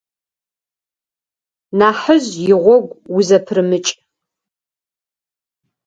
Нахьыжь игъогу узэпырымыкӏ.